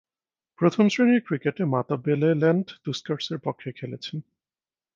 প্রথম-শ্রেণীর ক্রিকেটে মাতাবেলেল্যান্ড তুস্কার্সের পক্ষে খেলছেন।